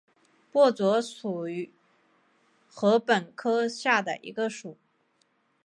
薄竹属是禾本科下的一个属。